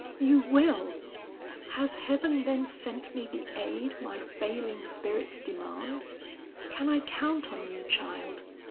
"You will! Has heaven then sent me the aid my failing spirits demand? Can I count on you, child?